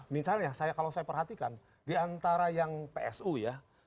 misalnya kalau saya perhatikan diantara yang psu ya